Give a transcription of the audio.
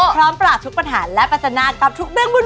พร้อมปราบทุกปัญหาและปัจจนากับทุกเรื่องวุ่น